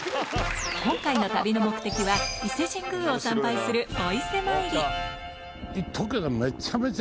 今回の旅の目的は伊勢神宮を参拝する言っとくけど。